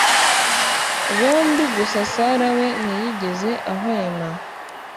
bombi gusa sara we ntiyigeze ahwema